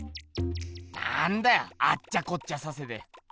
なんだよあっちゃこっちゃさせて。